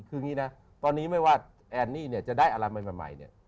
คืออย่างนี้นะตอนนี้ไม่ว่าแอนนี่เนี่ยจะได้อะไรใหม่เนี่ย